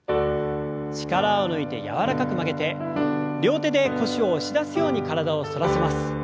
力を抜いて柔らかく曲げて両手で腰を押し出すように体を反らせます。